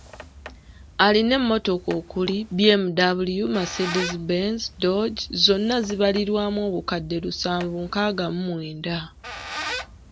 Alina emmotoka okuli; BMW, Mercedes Benz, Dodge, zonna zibalirirwamu obukadde lusanvu nkaaga mu wenda.